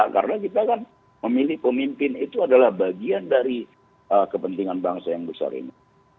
karena kita kan memilih pemimpin itu adalah bagian dari kepentingan bangsa yang besar ini